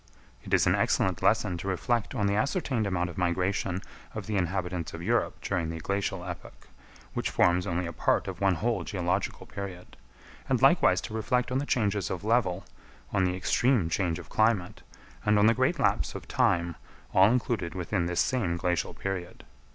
It is an excellent lesson to reflect on the ascertained amount of migration of the inhabitants of Europe during the glacial epoch, which forms only a part of one whole geological period; and likewise to reflect on the changes of level, on the extreme change of climate, and on the great lapse of time, all included within this same glacial period.